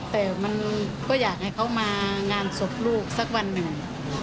แต่มันก็อยากให้เขามางานศพลูกสักวันหนึ่ง